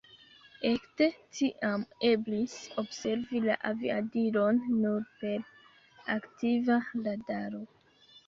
Ekde tiam eblis observi la aviadilon nur per aktiva radaro.